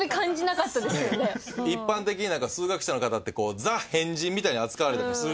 一般的には数学者の方ってザ・変人みたいに扱われたりするじゃないですか。